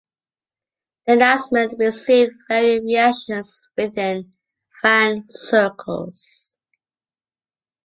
The announcement received varying reactions within fan circles.